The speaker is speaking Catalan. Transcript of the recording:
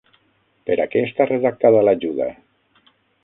Per a què està redactada l'ajuda?